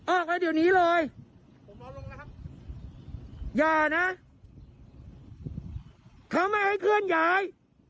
ออกไว้เดี๋ยวนี้เลยอย่านะเขาไม่ให้เคลื่อนย้าย